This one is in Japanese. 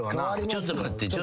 ちょっと待って。